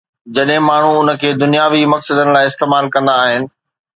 جڏهن ماڻهو ان کي دنياوي مقصدن لاءِ استعمال ڪندا آهن.